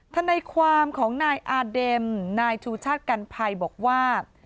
ทนายความของนายอาเด็มนายชูชาติกันภัยบอกว่า